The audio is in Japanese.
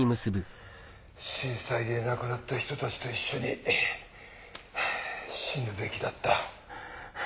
「震災で亡くなった人たちと一緒に死ぬべきだった」。